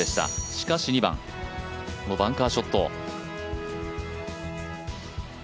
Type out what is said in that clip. しかし２番このバンカーショット。